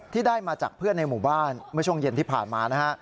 ที่ได้มาจากเพื่อนในหมู่บ้านเมื่อช่วงเย็นที่ผ่านมานะฮะ